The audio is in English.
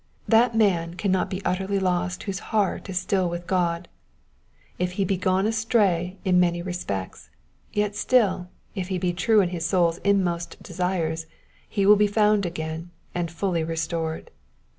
That man cannot be utterly lost whose heart is still with God. If he be gone astray in many r<)spects, yet still, if he be true in his souPs inmost desires, he will be found again, and fully restored.